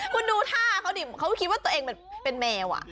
คุณดูท่าเขาดิเขาคิดว่าตัวเองเป็นแมว